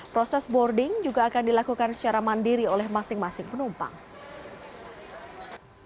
proses boarding juga akan dilakukan secara mandiri oleh masing masing penumpang